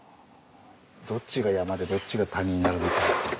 どっちが山でどっちが谷になるのか